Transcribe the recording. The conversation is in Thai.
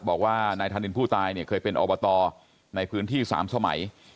บอกว่านายธานินผู้ตายเนี่ยเคยเป็นอบตในพื้นที่๓สมัย